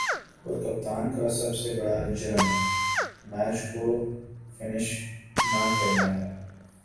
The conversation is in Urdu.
اور کپتان کا سب سے بڑا"جرم" میچ کو فنش نہ کر ہے